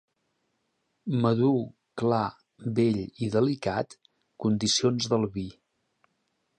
Madur, clar, vell i delicat, condicions del vi.